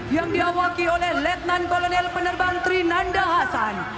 yang diawaki oleh letnan kolonel penerbang trinanda hasan